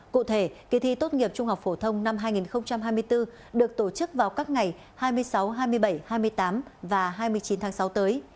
cụ thể kỳ thi tốt nghiệp trung học phổ thông năm hai nghìn hai mươi bốn được tổ chức vào các ngày hai mươi sáu hai mươi bảy hai mươi tám và hai mươi chín tháng sáu tới